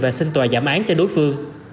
và xin tòa giảm án cho đối phương